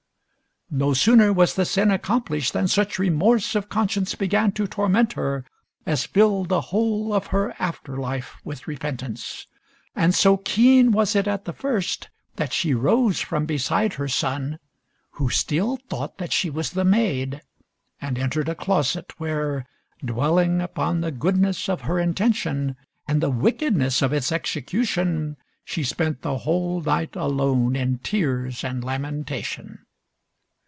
No sooner was the sin accomplished than such remorse of conscience began to torment her as filled the whole of her after life with repentance. And so keen was it at the first, that she rose from beside her son who still thought that she was the maid and entered a closet, where, dwelling upon the goodness of her intention and the wickedness of its execution, she spent the whole night alone in tears and lamentation.